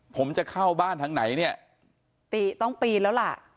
ผมจะเข้าบ้านทางไหนเนี่ยติต้องปีนแล้วล่ะ